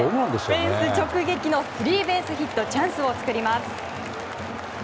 フェンス直撃のスリーベースヒットチャンスを作ります。